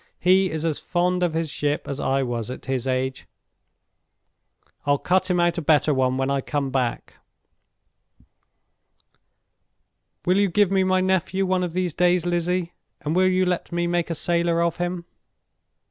"He is as fond of his ship as I was at his age. I'll cut him out a better one when I come back. Will you give me my nephew one of these days, Lizzie, and will you let me make a sailor of him?"